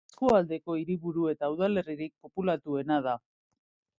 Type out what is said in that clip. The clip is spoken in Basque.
Eskualdeko hiriburu eta udalerririk populatuena da.